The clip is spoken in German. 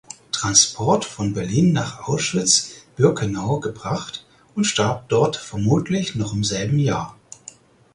Transport von Berlin nach Auschwitz–Birkenau gebracht und starb dort vermutlich noch im selben Jahr.